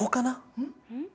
うん？